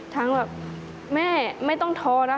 ทั้งแบบแม่ไม่ต้องทอนะ